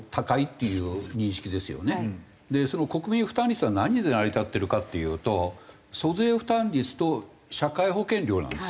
でその国民負担率は何で成り立ってるかっていうと租税負担率と社会保険料なんです。